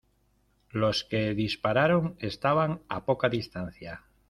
los que dispararon estaban a poca distancia.